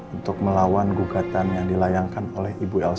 untuk melawan gugatan yang dilayangkan oleh ibu lp